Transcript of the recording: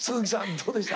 どうでした？